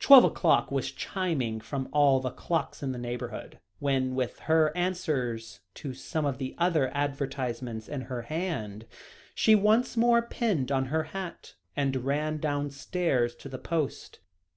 Twelve o'clock was chiming from all the clocks in the neighbourhood, when, with her answers to some of the other advertisements in her hand, she once more pinned on her hat, and ran downstairs to the post.